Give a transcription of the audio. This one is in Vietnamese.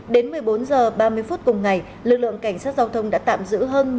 đến một mươi bốn giờ ba mươi phút cùng ngày lực lượng cảnh sát giao thông đã tạm giữ hơn một mươi sáu